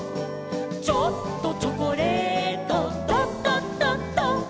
「ちょっとチョコレート」「ドドドド」